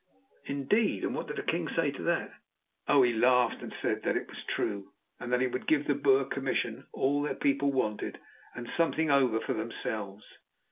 '" "Indeed! And what did the king say to that?" "Oh! he laughed and said it was true, and that he would give the Boer commission all their people wanted and something over for themselves.